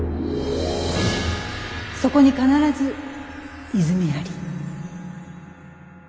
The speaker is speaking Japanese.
そこに必ず泉あり」。